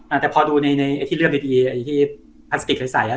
อ่าแต่พอดูในในไอ้ที่เรื่องดีดีไอ้ที่พันธุ์สติกอะไรใส่อ่ะ